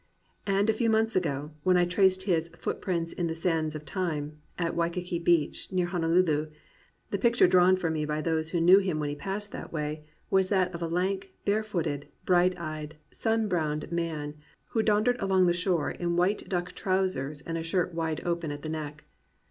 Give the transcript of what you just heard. And a few months ago, when I traced his "footprints on the sands of time" at Waikiki beach, near Honolulu, the picture drawn for me by those who knew him when he passed that way, was that of a lank, bare footed, bright eyed, sun browned man who daundered along the shore in white duck trousers and a shirt wide open at the neck.